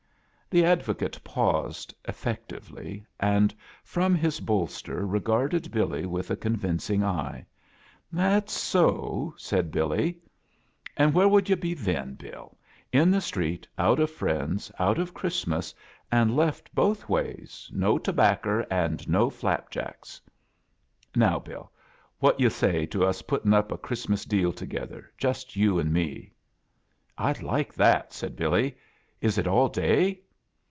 The advocate paused, effectively, and from his bolster regarded Billy with a con vindog eye. "That's so," said Billy, "And where would yo' be then. Bill? In the street, out of friends, out of Christ mas, and left both ways, no tobacker and 78 4^ A JOURNEY IN SEARCH OF CHRISTMAS no flapjacks. Now, Bill, what do yu' say to us puttio' ttp a Christmas deal togetber? Jtist yo« and me?" 'Td like that," said Billy. "Is it aSi day?"